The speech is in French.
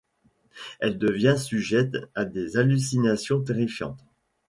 Elle devient sujette à des hallucinations terrifiantes.